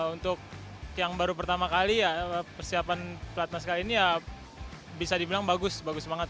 untuk yang baru pertama kali ya persiapan pelatnas kali ini ya bisa dibilang bagus bagus banget